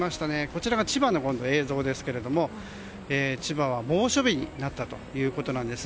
こちらは千葉の映像ですが千葉は猛暑日になったということです。